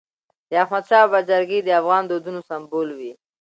د احمدشاه بابا جرګي د افغان دودونو سمبول وي.